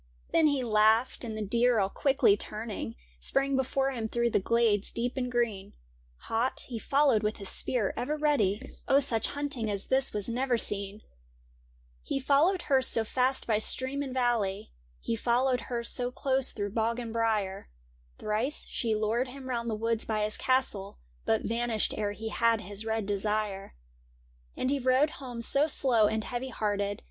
Then he laughed, and the deer, all quickly turning. Sprang before him through the glades deep and green ; Hot, he followed with his spear ever ready — Oh, such hunting as this was never seen ! THR PHANTOM DEER 15 He followed her so fast by stream and valley, He followed her so close through bog and briar ; Thrice she lured him round the woods by his castle, But vanished ere he had his red desire. And he rode home so slow and heavy hearted.